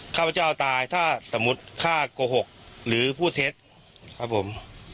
ข้าพเจ้าตายถ้าสมมุติข้าโกหกหรือพูดเท็จครับผม